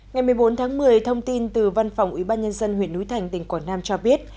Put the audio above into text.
ngày một mươi bốn tháng một mươi thông tin từ văn phòng ubnd huyện núi thành tỉnh quảng nam cho biết